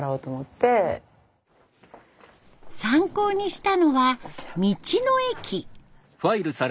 参考にしたのは道の駅。